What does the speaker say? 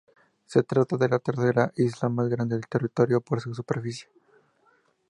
Se trata de la tercera isla más grande del territorio por su superficie.